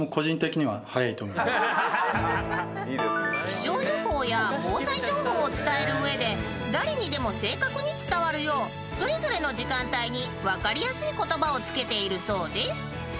［気象予報や防災情報を伝える上で誰にでも正確に伝わるようそれぞれの時間帯に分かりやすい言葉をつけているそうです］